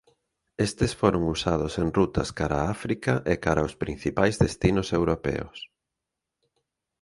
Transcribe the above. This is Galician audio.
Estes foron usados en rutas cara África e cara os principais destinos europeos.